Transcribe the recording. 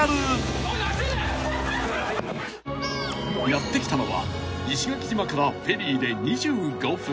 ［やって来たのは石垣島からフェリーで２５分］